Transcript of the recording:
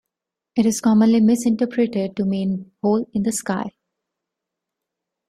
It is commonly misinterpreted to mean "hole in the sky".